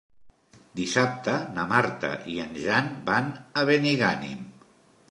Dissabte na Marta i en Jan van a Benigànim.